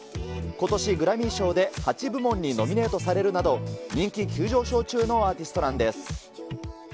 ことし、グラミー賞で８部門にノミネートされるなど、人気急上昇中のアーティストなんです。